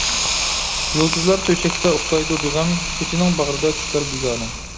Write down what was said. يۇلتۇزلار تۆشەكتە ئۇخلايدۇ بىغەم، كېچىنىڭ باغرىدا چۈشلەر بىگانە.